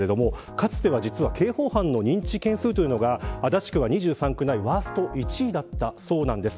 かつては実は刑法犯の認知件数というのが足立区は２３区内ワースト１位だったそうなんです。